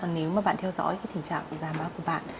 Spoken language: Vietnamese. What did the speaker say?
nếu bạn theo dõi tình trạng giám má của bạn